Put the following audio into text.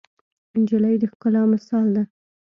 نجلۍ د ښکلا مثال ده.